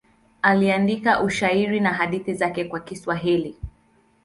Aliandika ushairi na hadithi zake kwa Kiswahili.